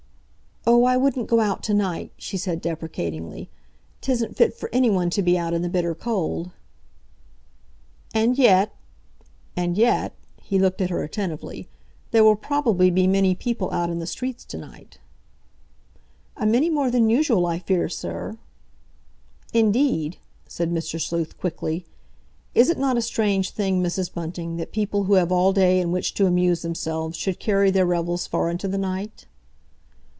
"Oh, I wouldn't go out to night," she said deprecatingly. "'Tisn't fit for anyone to be out in the bitter cold." "And yet—and yet"—he looked at her attentively—"there will probably be many people out in the streets to night." "A many more than usual, I fear, sir." "Indeed?" said Mr. Sleuth quickly. "Is it not a strange thing, Mrs. Bunting, that people who have all day in which to amuse themselves should carry their revels far into the night?"